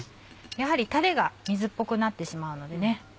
やはりタレが水っぽくなってしまうのでね。